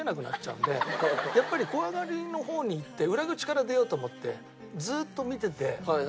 やっぱり小上がりの方に行って裏口から出ようと思ってずーっと見てて。